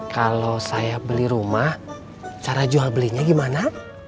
kalau saya beli rumah cara jual belinya gimana